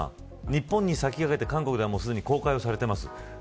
日本に先駆けて韓国ではすでに公開されてます。